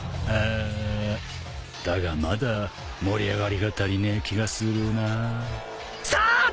あだがまだ盛り上がりが足りねえ気がするなぁ。